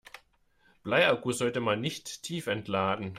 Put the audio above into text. Bleiakkus sollte man nicht tiefentladen.